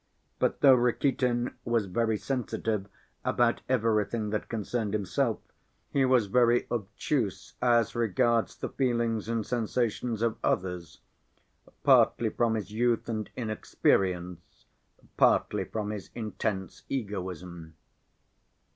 But though Rakitin was very sensitive about everything that concerned himself, he was very obtuse as regards the feelings and sensations of others—partly from his youth and inexperience, partly from his intense egoism.